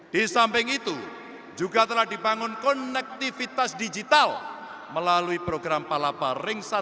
di samping itu juga telah dibangun konektivitas digital melalui program palapa ring satu